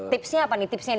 tipsnya apa nih tipsnya